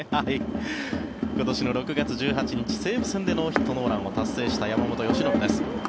今年の６月１８日、西武戦でノーヒット・ノーランを達成した山本由伸です。